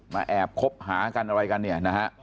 มาแอบคบหากันอะไรกันเนี่ย